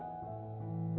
nguồn vitamin c